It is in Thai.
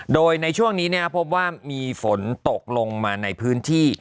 โดยในช่วงนี้พบว่ามีฝนตกลงมาในพื้นที่